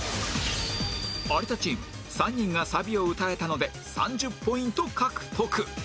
有田チーム３人がサビを歌えたので３０ポイント獲得